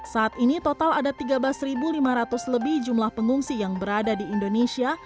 saat ini total ada tiga belas lima ratus lebih jumlah pengungsi yang berada di indonesia